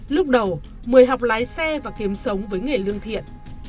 lúc đầu mười học lái xe và kiếm sống với nghề lương thiện